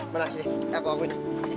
mana sih aku hampirin